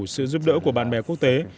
sự giúp đỡ của bạn bè quốc tế